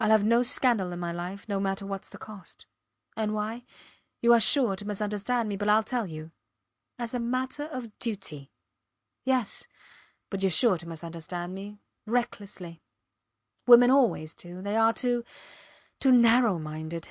Ill have no scandal in my life, no matter whats the cost. And why? You are sure to misunderstand me but Ill tell you. As a matter of duty. Yes. But youre sure to misunderstand me recklessly. Women always do they are too too narrow minded.